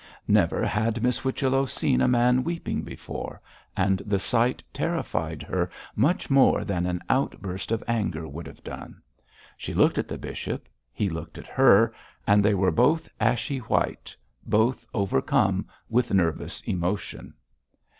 Never had Miss Whichello seen a man weeping before, and the sight terrified her much more than an outburst of anger would have done. She looked at the bishop, he looked at her, and they were both ashy white, both overcome with nervous emotion.